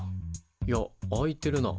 いや空いてるな。